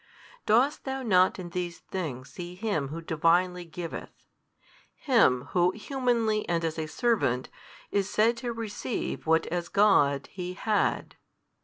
Dost thou not in these things see Him Who Divinely giveth, Him Who Humanly and as a servant is said to receive what as God He had?